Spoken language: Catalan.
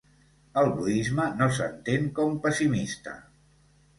El budisme no s'entén com pessimista.